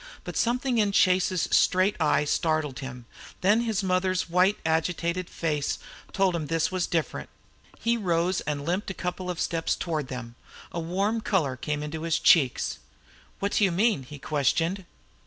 But something in Chase's straight eye startled him, then his mother's white, agitated face told him this was different. He rose and limped a couple of steps toward them, a warm color suddenly tingeing his cheeks. "What do you mean?" he questioned.